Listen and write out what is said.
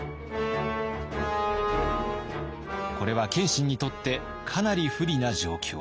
これは謙信にとってかなり不利な状況。